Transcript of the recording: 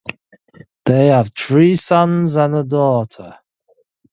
They have three sons and a daughter.